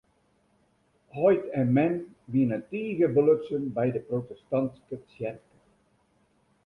Heit en mem wiene tige belutsen by de protestantske tsjerke.